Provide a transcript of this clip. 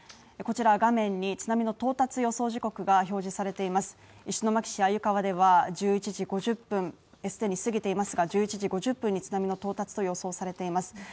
こちら画面に津波の到達予想時刻が表示されています石巻市鮎川では１１時５０分既に過ぎていますが１１時５０分に津波の到達と予想されています